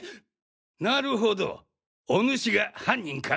なるほどおぬしが犯人か。